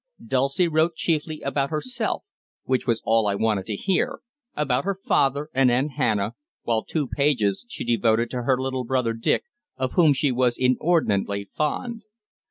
Dulcie wrote chiefly about herself which was all I wanted to hear about her father and "Aunt Hannah," while two pages she devoted to her little brother Dick, of whom she was inordinately fond.